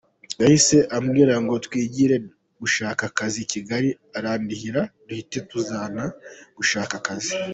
Yahise ambwira ngo twigire gushaka akazi i Kigali arandihira duhita tuzana gushaka akazi”.